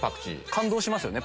感動しますよね。